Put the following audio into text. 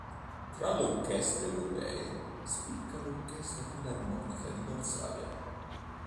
Tra le orchestre europee spicca l'Orchestra Filarmonica di Varsavia.